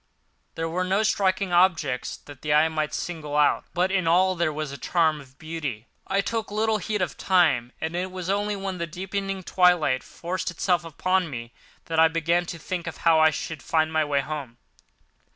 There were no striking objects that the eye might single out; but in all there was a charm of beauty. I took little heed of time and it was only when the deepening twilight forced itself upon me that I began to think of how I should find my way home.